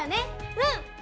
うん！